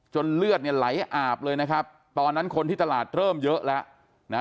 เลือดเนี่ยไหลอาบเลยนะครับตอนนั้นคนที่ตลาดเริ่มเยอะแล้วนะฮะ